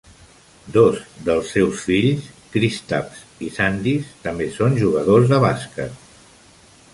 Dos dels seus fills, Kristaps i Sandis, també són jugadors de bàsquet.